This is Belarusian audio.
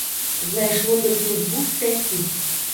Знайшло толькі ў двух з пяці.